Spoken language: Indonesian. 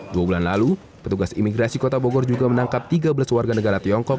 dua bulan lalu petugas imigrasi kota bogor juga menangkap tiga belas warga negara tiongkok